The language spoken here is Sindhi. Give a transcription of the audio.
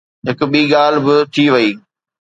هڪ ٻي ڳالهه به ٿي وئي.